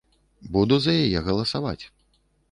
Буду за яе галасаваць.